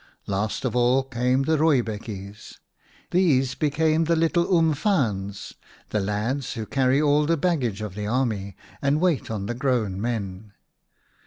Last of all came the rooibekkies. These became the little umfaans, the lads who carry all the baggage of the army and wait on the grown men.